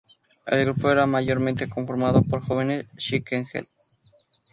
El grupo era mayormente conformado por jóvenes Skinhead.